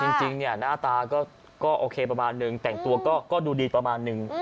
จริงเนี่ยหน้าตาก็โอเคประมาณนึงแต่งตัวก็ดูดีประมาณนึง